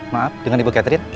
maaf dengan ibu catherine